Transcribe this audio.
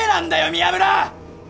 宮村！